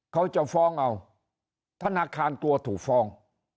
เขาจะฟ้องเอาธนาคารกลัวถูกฟ้อง